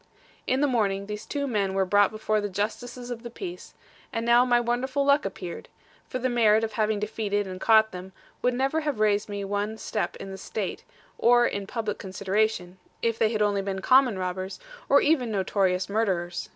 In the morning, these two men were brought before the Justices of the Peace: and now my wonderful luck appeared; for the merit of having defeated, and caught them, would never have raised me one step in the State, or in public consideration, if they had only been common robbers, or even notorious murderers.